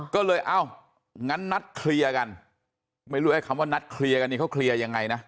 ก็เลยเอ้างั้นนัดเคลียร์กันไม่รู้ไอ้คำว่านัดเคลียร์กันนี่เขาเคลียร์ยังไงนะ